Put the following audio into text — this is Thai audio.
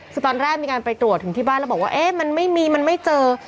คือตอนแรกมีการไปตรวจถึงที่บ้านแล้วบอกว่าเอ๊ะมันไม่มีมันไม่เจอ